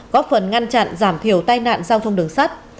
góp phần ngăn chặn giảm thiểu tai nạn giao thông đường sắt